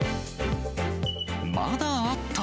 まだあった！